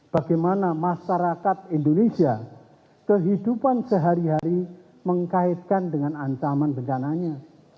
bagaimana masyarakat indonesia kehidupan sehari hari mengkaitkan dengan ancaman bencananya